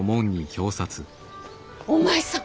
お前さん